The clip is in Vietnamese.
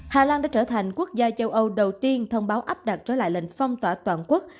hà lan đã trở thành quốc gia châu âu đầu tiên thông báo áp đặt trở lại lệnh phong tỏa toàn quốc